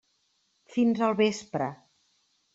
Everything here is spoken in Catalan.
Fins al vespre.